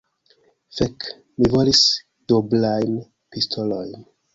Fek! mi volis duoblajn pistolojn.